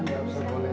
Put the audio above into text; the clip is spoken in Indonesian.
anda usah boleh